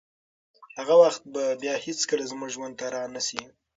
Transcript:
هغه وخت به بیا هیڅکله زموږ ژوند ته رانشي.